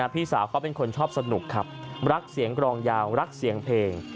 พี่สาวเขาเป็นคนชอบสนุกครับรักเสียงกรองยาวรักเสียงเพลง